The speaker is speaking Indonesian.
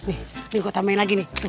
ini aku tambahin lagi nih